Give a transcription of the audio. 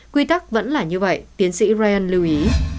quy tắc vẫn là như vậy tiến sĩ realand lưu ý